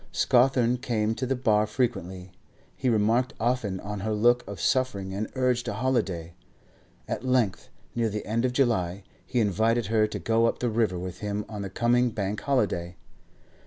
Scawthorne came to the bar frequently. He remarked often on her look of suffering, and urged a holiday. At length, near the end of July, he invited her to go up the river with him on the coming Bank holiday.